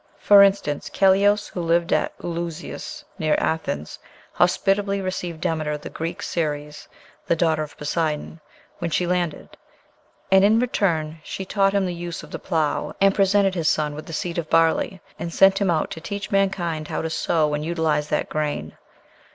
For instance, Keleos, who lived at Eleusis, near Athens, hospitably received Demeter, the Greek Ceres, the daughter of Poseidon, when she landed; and in return she taught him the use of the plough, and presented his son with the seed of barley, and sent him out to teach mankind how to sow and utilize that grain.